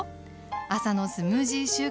朝のスムージー習慣